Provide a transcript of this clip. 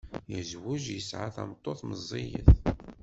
Yezweǧ yesɛa tameṭṭut meẓẓiyet.